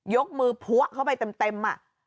ยกมือพวะเข้าไปเต็มอ่ะ